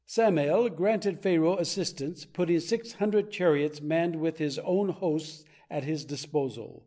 Samael granted Pharaoh assistance, putting six hundred chariots manned with his own hosts at his disposal.